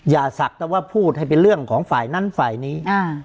อย่าศักดิ์แต่ว่าพูดให้เป็นเรื่องของฝ่ายนั้นฝ่ายนี้